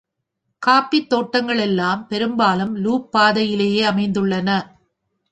காஃபித் தோட்டங்களெல்லாம் பெரும்பாலும் லூப் பாதை யிலேயே அமைந்துள்ளன.